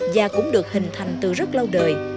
và cũng được hình thành từ rất lâu đời